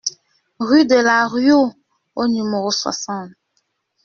Rue de l'Arriou au numéro soixante